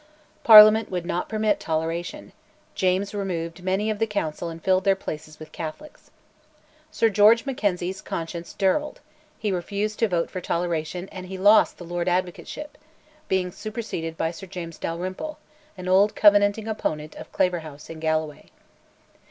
Parliament would not permit toleration; James removed many of the Council and filled their places with Catholics. Sir George Mackenzie's conscience "dirled"; he refused to vote for toleration and he lost the Lord Advocateship, being superseded by Sir James Dalrymple, an old Covenanting opponent of Claverhouse in Galloway.